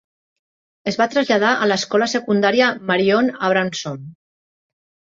Es va traslladar a l'escola secundària Marion Abramson.